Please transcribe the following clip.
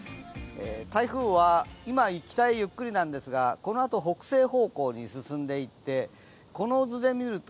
台風は今北へゆっくりなんですがこのあと北西方向に進んでいって、この図で見ると